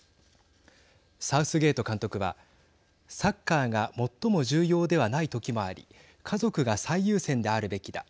サウスゲート監督はサッカーが最も重要ではない時もあり家族が最優先であるべきだ。